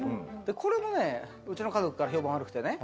これもうちの家族からは評判悪くてね。